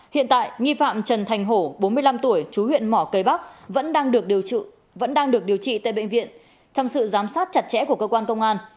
hiện tại nghi phạm trần thành hổ bốn mươi năm tuổi chú huyện mỏ cây bắc vẫn đang được điều trị tại bệnh viện trong sự giám sát chặt chẽ của cơ quan công an